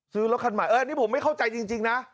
ซื้อรถขัดหมายเอออันนี้ผมไม่เข้าใจจริงนะ